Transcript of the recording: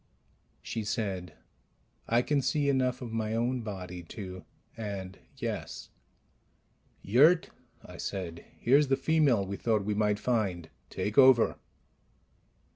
She said, "I can see enough of my own body to and yes ..." "Yurt," I said, "here's the female we thought we might find. Take over."